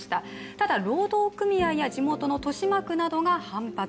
ただ、労働組合や地元の豊島区などが反発。